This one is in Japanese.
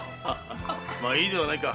いいではないか。